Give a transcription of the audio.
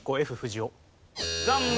残念。